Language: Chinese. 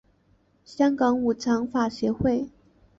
香港五常法协会